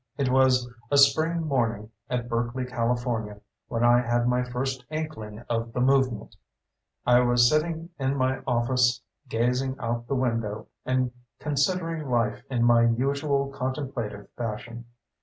It was a spring morning at Berkeley, California, when I had my first inkling of the movement. I was sitting in my office gazing out the window and considering life in my usual contemplative fashion.